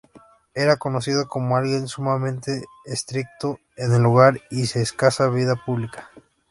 Era conocido como alguien sumamente estricto en el hogar y de escasa vida pública.